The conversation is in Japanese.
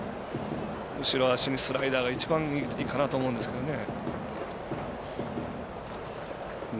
後ろ足にスライダーが一番いいかなと思うんですけどね。